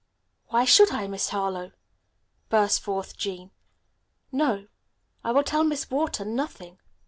"Why should I, Miss Harlowe?" burst forth Jean. "No; I will tell Miss Wharton nothing."